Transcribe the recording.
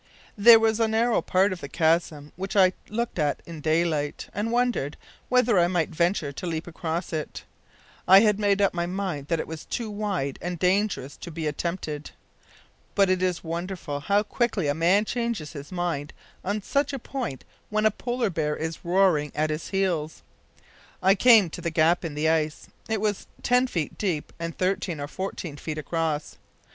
"There was a narrow part of the chasm which I had looked at in daylight, and wondered whether I might venture to leap across it. I had made up my mind that it was too wide and dangerous to be attempted. But it is wonderful how quickly a man changes his mind on such a point when a polar bear is roaring at his heels. I came to the gap in the ice. It was ten feet deep and thirteen or fourteen feet across.